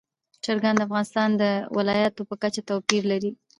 چرګان د افغانستان د ولایاتو په کچه توپیر لري.